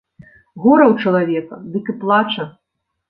Гора ў чалавека, дык і плача.